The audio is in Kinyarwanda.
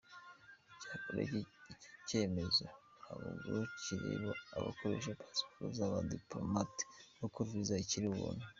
Icyakora iki cyemezo ntabwo kireba abakoresha pasiporo z’abadipolomate kuko visa ikiri ubuntu.